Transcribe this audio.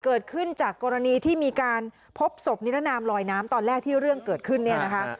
เกิดขึ้นจากกรณีที่มีการพบศพนิรนามลอยน้ำตอนแรกที่เรื่องเกิดขึ้นเนี่ยนะคะ